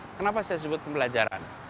kenapa saya sebut pembelajaran